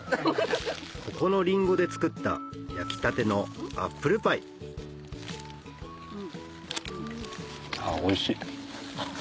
ここのりんごで作った焼きたてのアップルパイおいしい。